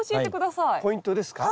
ポイントですか？